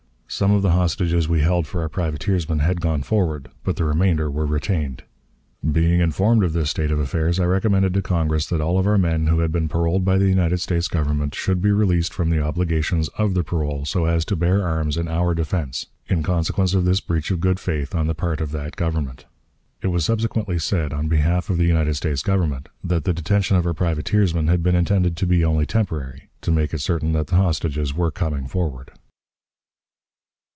Some of the hostages we held for our privateersmen had gone forward, but the remainder were retained. Being informed of this state of affairs, I recommended to Congress that all of our men who had been paroled by the United States Government should be released from the obligations of their parole so as to bear arms in our defense, in consequence of this breach of good faith on the part of that Government. It was subsequently said, on behalf of the United States Government, that the detention of our privateersmen had been intended to be only temporary, to make it certain that the hostages were coming forward.